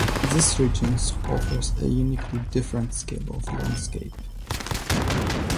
This region offers a uniquely different scale of landscape.